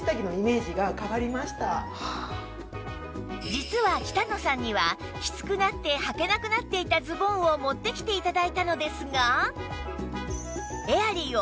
実は北野さんにはきつくなってはけなくなっていたズボンを持ってきて頂いたのですが